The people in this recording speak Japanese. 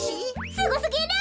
すごすぎる！